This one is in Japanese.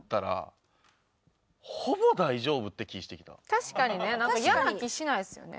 確かにね嫌な気しないですよね。